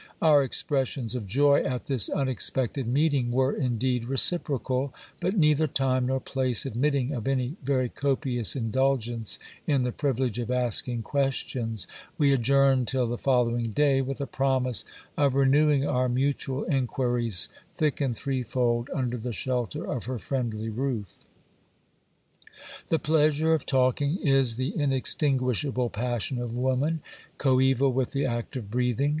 Our express ions of joy at this unexpected meeting were indeed reciprocal ; but neither time nor place admitting of any very copious indulgence in the privilege of asking questions, we adjourned till the following day, with a promise of renew ing our mutual inquiries thick and threefold, under the shelter of her friendly roof. The pleasure of talking is the inextinguishable passion of woman, coeval with the act of breathing.